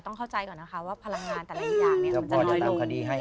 เข้าใจก่อนนะคะว่าพลังงานแต่ละอย่างมันจะน้อยลง